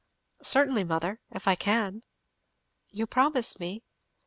"Certainly, mother, if I can." "You promise me?"